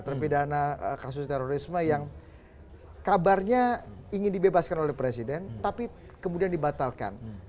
terpidana kasus terorisme yang kabarnya ingin dibebaskan oleh presiden tapi kemudian dibatalkan